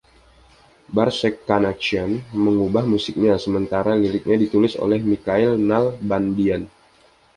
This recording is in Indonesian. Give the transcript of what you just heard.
Barsegh Kanachyan menggubah musiknya, sementara liriknya ditulis oleh Mikael Nalbandian.